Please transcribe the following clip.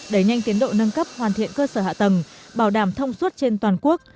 đẩy nhanh tiến độ nâng cấp hoàn thiện cơ sở hạ tầng bảo đảm thông suốt trên toàn quốc